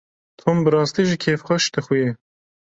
Tom bi rastî jî kêfxweş dixuye.